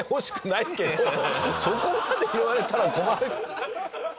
そこまで言われたら困る。